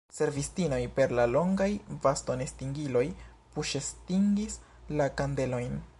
Servistinoj per la longaj bastonestingiloj puŝestingis la kandelojn.